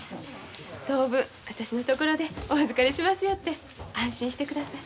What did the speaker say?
当分私のところでお預かりしますよって安心してください。